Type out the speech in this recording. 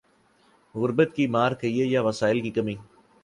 غربت کی مار کہیے یا وسائل کی کمی۔